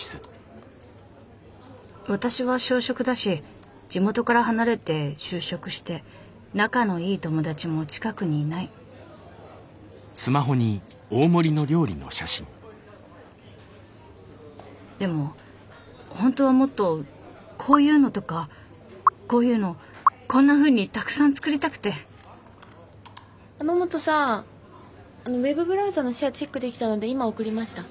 私は小食だし地元から離れて就職して仲のいい友達も近くにいないでも本当はもっとこういうのとかこういうのこんなふうにたくさん作りたくて野本さんウェブブラウザのシェアチェックできたので今送りました。